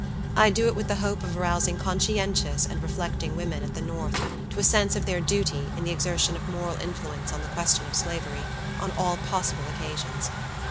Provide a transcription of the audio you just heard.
I do it with the hope of arousing conscientious and reflecting women at the North to a sense of their duty in the exertion of moral influence on the question of Slavery, on all possible occasions.